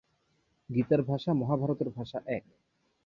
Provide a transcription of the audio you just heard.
গীতার ভাষা মহাভারতের ভাষা এক।